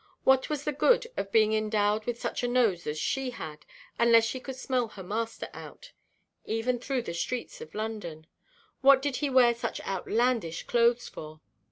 What was the good of being endowed with such a nose as she had, unless she could smell her master out, even through the streets of London? What did he wear such outlandish clothes for?